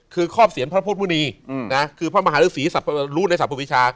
คือครอบเสียนพระพุทธมุณีพระมหาลึกศรีรูดในสรรพวิชา